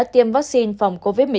tiêm vaccine phòng covid một mươi chín